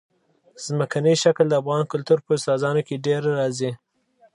ځمکنی شکل د افغان کلتور په داستانونو کې ډېره راځي.